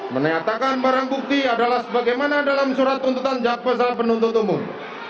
menyatakan barang bukti adalah sebagaimana dalam surat tuntutan jaksa penuntut umum